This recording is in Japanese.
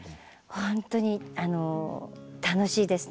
ほんとに楽しいですね。